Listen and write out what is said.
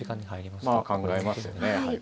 まあ考えますよねやはり。